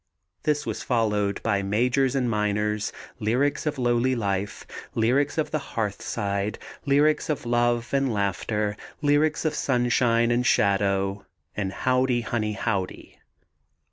This was followed by _Majors and Minors, Lyrics of Lowly Life, Lyrics of the Hearthside, Lyrics of Love and Laughter, Lyrics of Sunshine and Shadow_ and Howdy, Honey, Howdy.